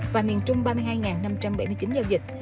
và miền trung ba mươi hai năm trăm bảy mươi chín giao dịch